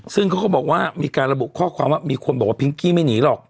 ซึ่งเขาก็บอกว่ามีการระบุข้อความว่ามีคนบอกว่าพิงกี้ไม่หนีหรอก